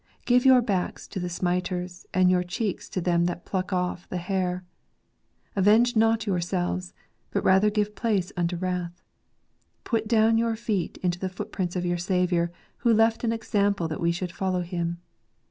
Give your backs to the smiters, and your cheeks to them that pluck off the hair. Avenge not your selves, but rather give place unto wrath. Put down your feet into the footprints of your Saviour, who left an example that we should follow Him.